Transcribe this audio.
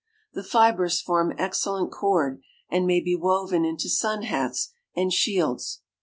The fibers form excellent cord, and may be woven into sun hats and shields.